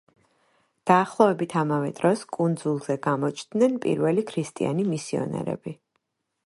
დაახლოებით ამავე დროს კუნძულზე გამოჩნდნენ პირველი ქრისტიანი მისიონერები.